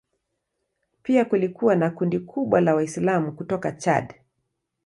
Pia kulikuwa na kundi kubwa la Waislamu kutoka Chad.